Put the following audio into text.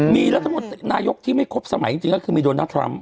มีรัฐมนตรีนายกที่ไม่ครบสมัยจริงก็คือมีโดนัลดทรัมป